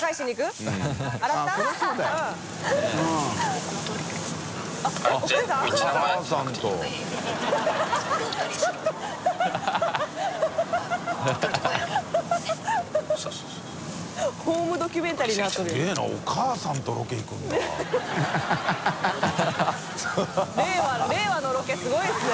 淵Εぅ令和のロケすごいですね。